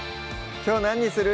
きょう何にする？